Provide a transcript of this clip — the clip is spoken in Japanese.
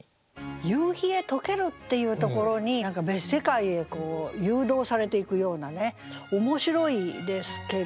「夕日へ溶ける」っていうところに別世界へ誘導されていくようなね面白いですけど。